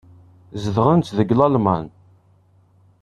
Zedɣent deg Lalman.